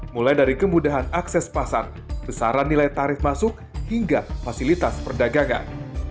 mulai dari kemudahan akses pasar besaran nilai tarif masuk hingga fasilitas perdagangan